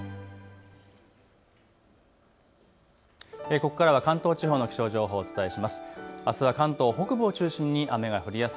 ここからは関東地方の気象情報をお伝えします。